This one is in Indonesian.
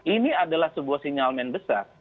ini adalah sebuah sinyal main besar